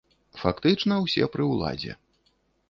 Фактычна, усе пры ўладзе.